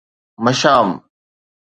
مشام